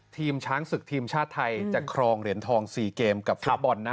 ทีมช้างศึกทีมชาติไทยจะครองเหรียญทอง๔เกมกับฟุตบอลนะ